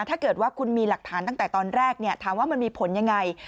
ถ้าเกิดว่าคุณมีหลักฐานตั้งแต่ตอนแรกถามว่ามันมีผลยังไง